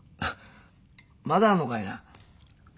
まだあんのかいな？